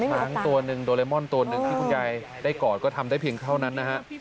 ช้างตัวหนึ่งโดเรมอนตัวหนึ่งที่คุณยายได้กอดก็ทำได้เพียงเท่านั้นนะฮะ